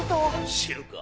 「知るか。